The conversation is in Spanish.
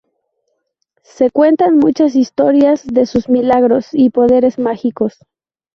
Se cuentan muchas historias de sus milagros y poderes mágicos.